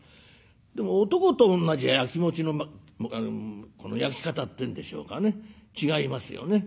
でも男と女じゃやきもちのこのやき方っていうんでしょうかね違いますよね。